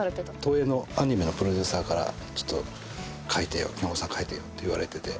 東映のアニメのプロデューサーから「ちょっと京極さん書いてよ」って言われてて。